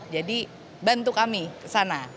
jadi bantu kami kesana